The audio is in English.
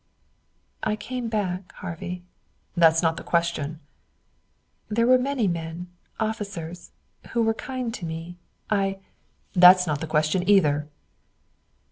"I came back, Harvey." "That's not the question." "There were many men officers who were kind to me. I " "That's not the question, either."